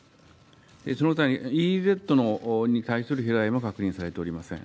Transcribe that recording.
その他、ＥＥＺに対する飛来も確認されておりません。